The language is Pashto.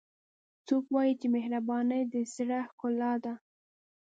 څوک وایي چې مهربانۍ د زړه ښکلا ده